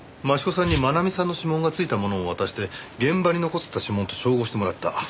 益子さんに真奈美さんの指紋が付いたものを渡して現場に残ってた指紋と照合してもらった。